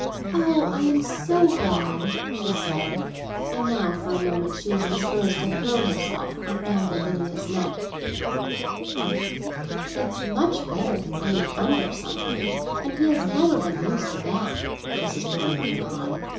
"Oh, I'm so glad!" she said; and now, for a moment, she was disposed to throw herself on Aunt Lavinia's neck. "It's much better than being under some one; and he has never been used to that," Mrs. Penniman went on.